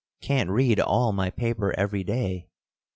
Can't read all my paper every day.